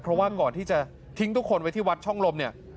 เพราะว่าก่อนที่จะทิ้งทุกคนไว้ที่วัดช่องลมเนี่ย